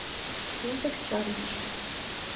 Музык чарныш.